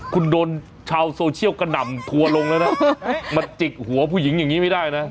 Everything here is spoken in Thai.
คุณโดนชาวโซเชียลกระหน่ำทัวร์ลงแล้วนะมาจิกหัวผู้หญิงอย่างนี้ไม่ได้นะ